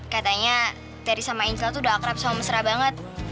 katanya dari sama insul tuh udah akrab sama mesra banget